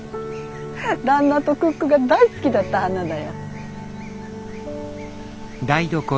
旦那とクックが大好きだった花だよ。